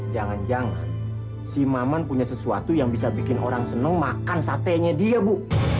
jangan jangan si maman punya sesuatu yang bisa bikin orang senang makan satenya dia bu